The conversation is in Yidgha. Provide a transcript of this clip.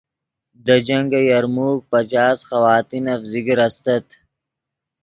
دے جنگ یرموک پچاس خواتینف ذکر استت